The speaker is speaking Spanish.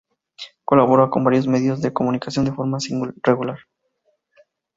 Colabora en varios medios de comunicación de forma regular.